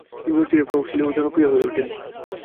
তিনি অচিরেই প্রভাবশালী ও জনপ্রিয় হয়ে উঠেন।